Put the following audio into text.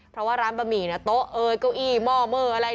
เพราะว่าร้านบะหมี่โต๊ะเก้าอี้หม้อเมล์อะไร